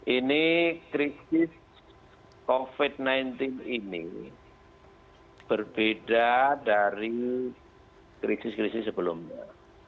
ini krisis covid sembilan belas ini berbeda dari krisis krisis sebelumnya